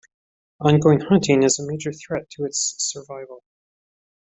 Ongoing hunting is a major threat to its survival.